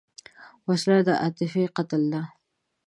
وسله د عاطفې قتل ده